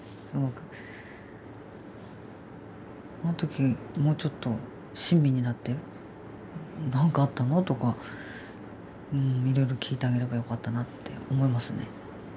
あの時もうちょっと親身になって「何かあったの？」とかいろいろ聞いてあげればよかったなって思いますね。